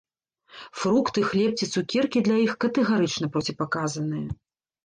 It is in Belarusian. Фрукты, хлеб ці цукеркі для іх катэгарычна проціпаказаныя.